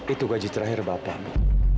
itu gaji terakhir bapak ibu